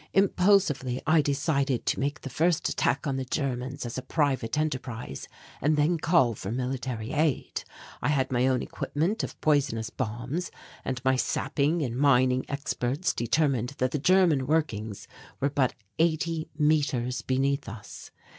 Impulsively I decided to make the first attack on the Germans as a private enterprise and then call for military aid. I had my own equipment of poisonous bombs and my sapping and mining experts determined that the German workings were but eighty metres beneath us.